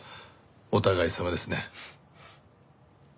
お互いさまですね。